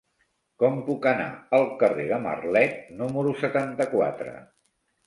Com puc anar al carrer de Marlet número setanta-quatre?